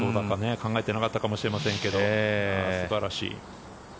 考えてなかったかもしれませんけど素晴らしい。